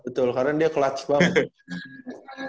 betul karena dia clubs banget